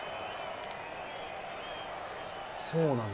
そうなんだ。